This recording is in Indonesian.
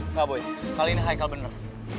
nggak boy kali ini haikal bener